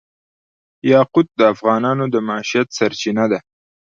یاقوت د افغانانو د معیشت سرچینه ده.